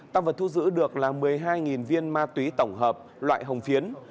tăng vật thu giữ được là một mươi hai viên ma túy tổng hợp loại hồng phiến